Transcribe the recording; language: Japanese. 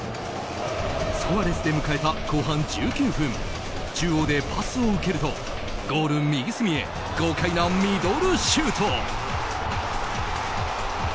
スコアレスで迎えた後半１９分中央でパスを受けるとゴール右隅へ豪快なミドルシュート。